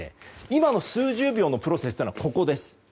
今の数十秒のプロセスというのはここです。